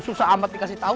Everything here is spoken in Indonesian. susah amat dikasih tau